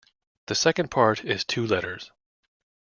The second part is two letters.